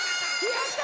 やった！